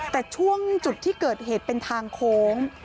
แต่ช่วงจุดที่เกิดเหตุเป็นทางโค้ง